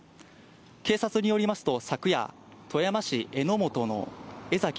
警察によりますと、昨夜、富山市江本の江ざき